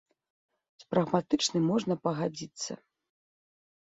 З прагматычнай можна пагадзіцца.